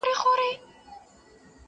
له پروازه وو لوېدلي شهپرونه.